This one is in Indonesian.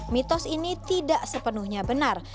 mitos ini tidak sepenuhnya benar